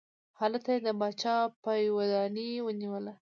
هلته یې د باچا پایدواني ونیوله.